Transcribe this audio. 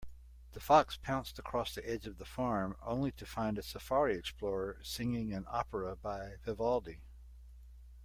The fox pounced across the edge of the farm, only to find a safari explorer singing an opera by Vivaldi.